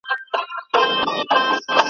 نه یې ږغ سو د چا غوږ ته رسېدلای `